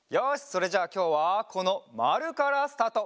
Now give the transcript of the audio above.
それじゃあきょうはこのまるからスタート！